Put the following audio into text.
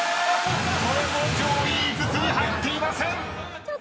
［これも上位５つに入っていません！］